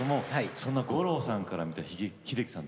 そんな五郎さんから見た秀樹さん